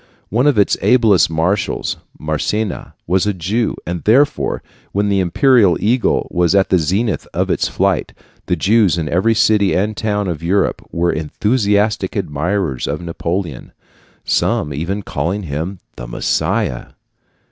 One of its ablest marshals Massena was a Jew, and therefore, when the imperial eagle was at the zenith of its flight, the Jews in every city and town of Europe were enthusiastic admirers of Napoleon, some even calling him the Messiah.